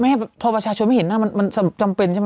มาพอประชาชนไม่เห็นนะมันจำเป็นใช่มั้ย